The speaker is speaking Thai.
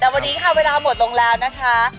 ไม่ได้